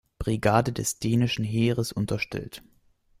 Brigade des dänischen Heeres unterstellt.